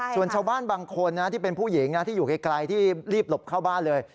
ส่วนชาวบ้านบางคนที่เป็นผู้หญิงที่อยู่ไกลที่รีบหลบเข้าบ้านเลย